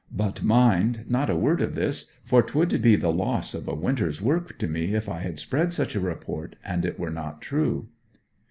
But mind, not a word of this; for 'twould be the loss of a winter's work to me if I had spread such a report and it were not true.'